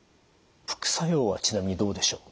副作用はちなみにどうでしょう？